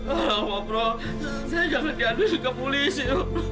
alhamdulillah mo pro saya jangan diambil ke polisi mo